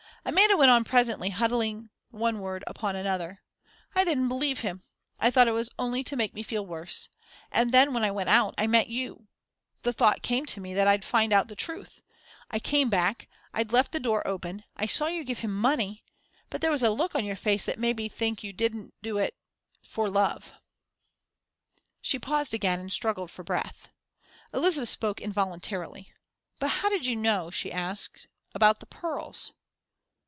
Amanda went on presently, huddling one word upon another: "I didn't believe him, I thought it was only to make me feel worse. And then, when I went out, I met you the thought came to me that I'd find out the truth. I came back, I'd left the door open, I saw you give him money but there was a look on your face that made me think you didn't do it for love." She paused again and struggled for breath. Elizabeth spoke involuntarily. "But how did you know," she asked, "about the pearls?"